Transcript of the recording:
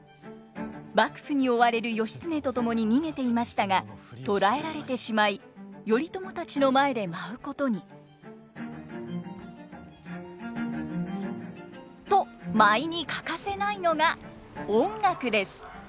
幕府に追われる義経と共に逃げていましたが捕らえられてしまい頼朝たちの前で舞うことに。と舞に欠かせないのが音楽です。